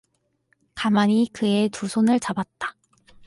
가만히 그의 두 손을 잡았다.